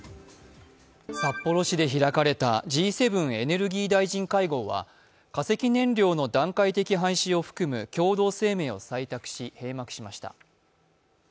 札幌市で開かれたＧ７エネルギー大臣会合は化石燃料の段階的廃止を含む共同声明を採択し閉幕しました。